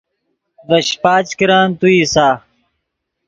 ڤے شیپچ کرن تو اِیسا